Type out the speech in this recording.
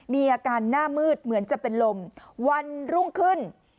มีอาการหน้ามืดเหมือนจะเป็นลมวันรุ่งขึ้น